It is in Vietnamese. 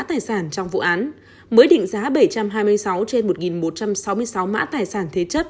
tài sản trong vụ án mới định giá bảy trăm hai mươi sáu trên một một trăm sáu mươi sáu mã tài sản thế chấp